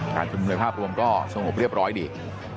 ชุมนุมโดยภาพรวมก็สงบเรียบร้อยดี